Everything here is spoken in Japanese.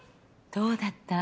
どうだった？